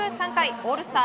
オールスター